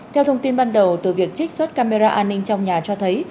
theo thông tin ban đầu từ việc trích xuất camera an ninh trong nhà cho thấy